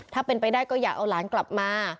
ถ้าเป็นไปได้ก็อยากเอาหลานกลับมา